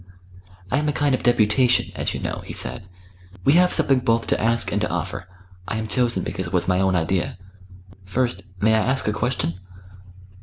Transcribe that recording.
"I am a kind of deputation, as you know," he said. "We have something both to ask and to offer. I am chosen because it was my own idea. First, may I ask a question?"